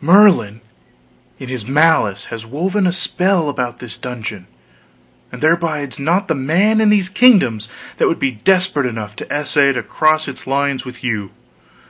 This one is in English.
"Merlin, in his malice, has woven a spell about this dungeon, and there bides not the man in these kingdoms that would be desperate enough to essay to cross its lines with you!